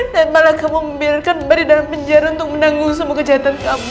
dan malah kamu membiarkan mbak di dalam penjara untuk menanggung semua kejahatan kamu